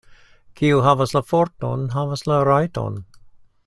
Kiu havas la forton, havas la rajton.